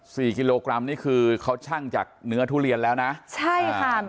สี่กิโลกรัมนี่คือเขาชั่งจากเนื้อทุเรียนแล้วนะใช่ค่ะ